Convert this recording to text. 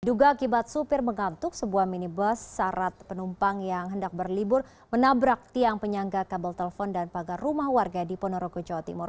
duga akibat supir mengantuk sebuah minibus sarat penumpang yang hendak berlibur menabrak tiang penyangga kabel telpon dan pagar rumah warga di ponorogo jawa timur